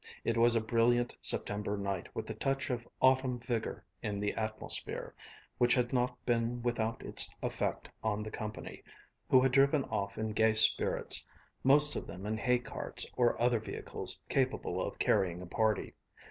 It was a brilliant September night with a touch of autumn vigor in the atmosphere, which had not been without its effect on the company, who had driven off in gay spirits, most of them in hay carts or other vehicles capable of carrying a party.